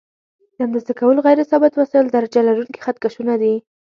د اندازه کولو غیر ثابت وسایل درجه لرونکي خط کشونه دي.